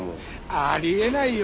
あり得ないよ！